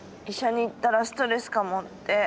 医者に行ったらストレスかもって。